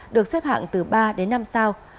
được xếp hạng từ ba đến năm sao